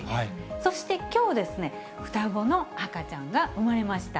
そしてきょうですね、双子の赤ちゃんが産まれました。